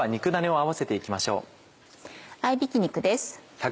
合びき肉です。